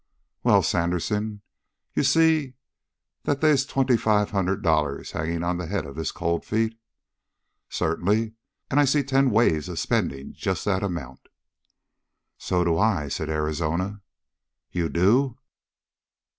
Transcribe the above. "Well, Sandersen, you see that they's twenty five hundred dollars hanging on the head of this Cold Feet?" "Certainly! And I see ten ways of spending just that amount." "So do I," said Arizona. "You do?"